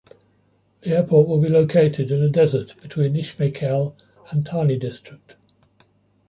The airport will be located in a desert between Ismailkhel and Tani District.